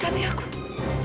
kamu pikir aku bodoh al